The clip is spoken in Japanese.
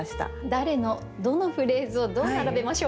誰のどのフレーズをどう並べましょうか？